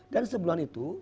dan sebulan itu